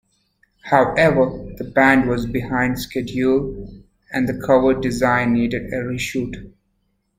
However, the band was behind schedule and the cover design needed a reshoot.